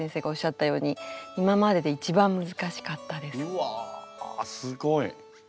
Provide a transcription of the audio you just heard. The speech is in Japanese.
うわすごい。